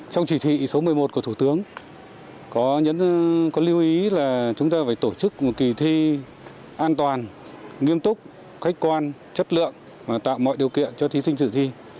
trong chỉ thị số một mươi một của thủ tướng có những lưu ý là chúng ta phải tổ chức một kỳ thi an toàn nghiêm túc khách quan chất lượng và tạo mọi điều kiện cho thí sinh dự thi